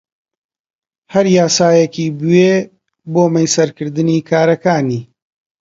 هەر یاسایەکی بوێ بۆ مەیسەرکردنی کارەکانی